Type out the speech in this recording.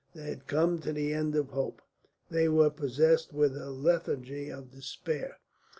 They had come to the end of hope, they were possessed with a lethargy of despair.